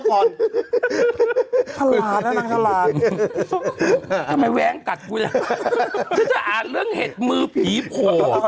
ก่อนทราดนะนางทราดทำไมแว้งกัดกูเนี้ยจะอ่านเรื่องเห็ดมือผีโผก